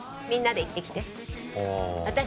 みんなで行ってきて私